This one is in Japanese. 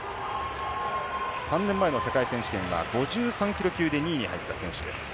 ３年前の世界選手権は５３ｋｇ級で２位に入った選手です。